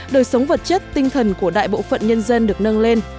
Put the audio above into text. đời sống vật chất tinh thần của đại bộ phận nhân dân được nâng lên